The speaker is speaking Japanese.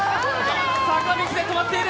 坂道で止まっている。